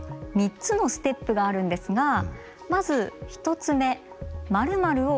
３つのステップがあるんですがまず１つ目「○○を考えてみよう！」。